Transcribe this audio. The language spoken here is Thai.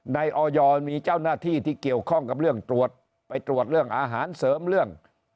ออยมีเจ้าหน้าที่ที่เกี่ยวข้องกับเรื่องตรวจไปตรวจเรื่องอาหารเสริมเรื่อง